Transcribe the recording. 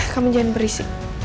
kamu jangan berisik